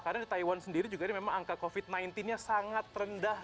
karena di taiwan sendiri juga ini memang angka covid sembilan belas nya sangat rendah